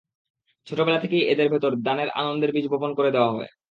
ছোটবেলা থেকেই এদের ভেতরে দানের আনন্দের বীজ বপন করে দেওয়া হয়।